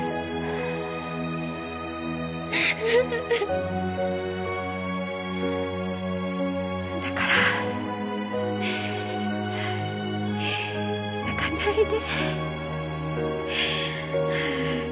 泣き声だから泣かないで。